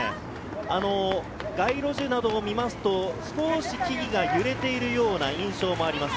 街路樹などを見ますと、少し木々が揺れているような印象もあります。